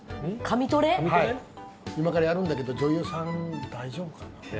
今からやるんだけど女優さん、大丈夫かな。